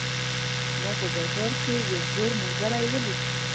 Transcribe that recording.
ما په بازار کې یو زوړ ملګری ولید